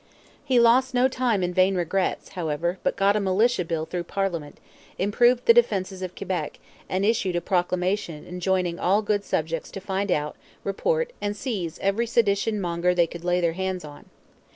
He lost no time in vain regrets, however, but got a militia bill through parliament, improved the defences of Quebec, and issued a proclamation enjoining all good subjects to find out, report, and seize every sedition monger they could lay their hands on.